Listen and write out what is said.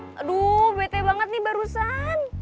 aduh bete banget nih barusan